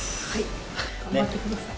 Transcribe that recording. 頑張ってください。